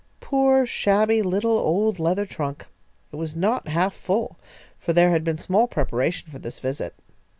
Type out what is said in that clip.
Poor, shabby, little, old leather trunk! It was not half full, for there had been small preparation for this visit.